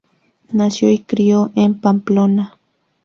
Nació y se crio en Pamplona.